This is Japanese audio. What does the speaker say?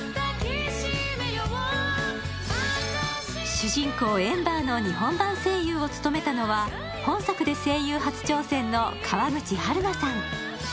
主人公・エンバーの日本版声優を務めたのは本作で声優初挑戦の川口春奈さん。